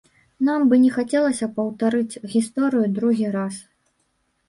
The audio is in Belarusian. Нам бы не хацелася паўтарыць гісторыю другі раз.